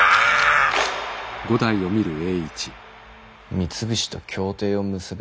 三菱と協定を結べ？